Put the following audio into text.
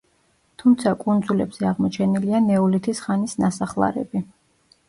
თუმცა კუნძულებზე აღმოჩენილია ნეოლითის ხანის ნასახლარები.